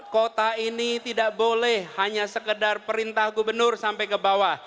kota ini tidak boleh hanya sekedar perintah gubernur sampai ke bawah